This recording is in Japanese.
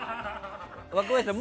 若林さん